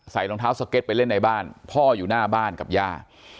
รองเท้าสเก็ตไปเล่นในบ้านพ่ออยู่หน้าบ้านกับย่า